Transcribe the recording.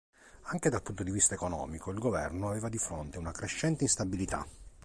Anche dal punto di vista economico, il governo aveva di fronte una crescente instabilità.